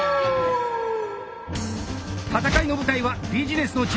戦いの舞台はビジネスの中心街